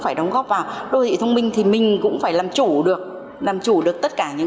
phải đóng góp vào đô thị thông minh thì mình cũng phải làm chủ được làm chủ được tất cả những